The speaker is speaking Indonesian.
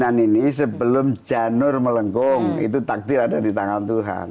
dengan ini sebelum janur melengkung itu takdir ada di tangan tuhan